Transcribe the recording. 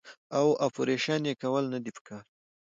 او اپرېشن ئې کول نۀ دي پکار -